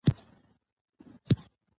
قانون د ادارې د واک ناوړه کارول منع کوي.